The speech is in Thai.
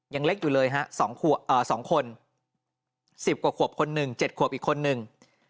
ยังเล็กอยู่เลยฮะ๒คน๑๐กว่าขวบคนหนึ่ง๗ขวบอีกคนนึง